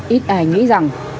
ít ai nghĩ rằng